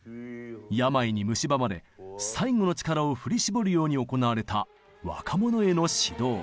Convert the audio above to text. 病にむしばまれ最後の力を振り絞るように行われた若者への指導。